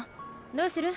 どうする？